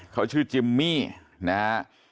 เขาชื่อจิมมี่นะฮะ